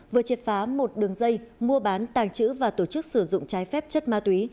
vừa triệt phá một đường dây mua bán tàng trữ và tổ chức sử dụng trái phép chất ma túy